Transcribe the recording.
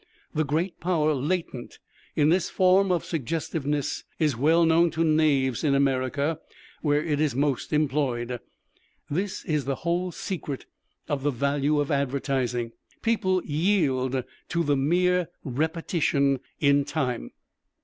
The great power latent in this form of suggestiveness is well known to knaves in America where it is most employed. This is the whole secret of the value of advertising. People yield to the mere repetition in time.